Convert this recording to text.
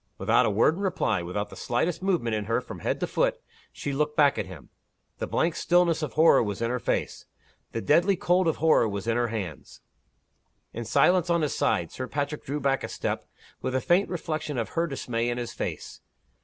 Without a word in reply, without the slightest movement in her from head to foot, she looked back at him. The blank stillness of horror was in her face. The deadly cold of horror was in her hands. In silence, on his side, Sir Patrick drew back a step, with a faint reflection of her dismay in his face.